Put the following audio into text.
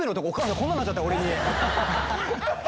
こんなんなっちゃって。